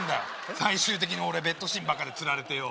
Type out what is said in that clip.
最終的に俺ベッドシーンばっかでつられてよ